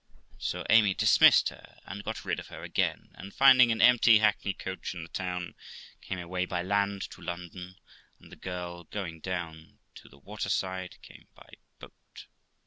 And so Amy dismissed her, and got rid of her again ; and finding an empty hackney coach in the town, came away by land to London, and the girl, going down to the water side, came by boat.